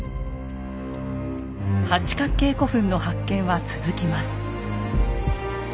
八角形古墳の発見は続きます。